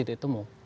itu tidak temu